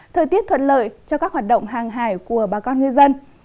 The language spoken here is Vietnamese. thời tiết thuận lợi cho các hoạt động hàng hải của bà con ngư dân